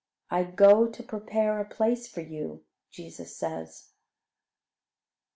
"I go to prepare a place for you," Jesus says.